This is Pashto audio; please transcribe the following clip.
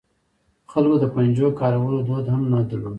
خلکو د پنجو کارولو دود هم نه درلود.